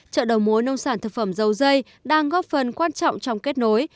chợ đầu mối nông sản thực phẩm dầu dây đang góp phần quan trọng trong kết nối